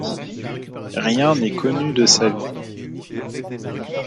Rien n'est connu de sa vie.